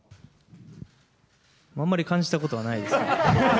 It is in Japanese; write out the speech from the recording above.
あんまり感じたことはないですね。